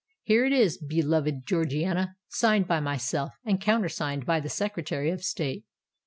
Here it is, beloved Georgiana—signed by myself, and countersigned by the Secretary of State."